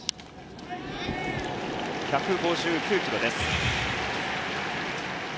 １５９キロです。